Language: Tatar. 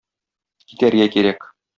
Китәргә кирәк.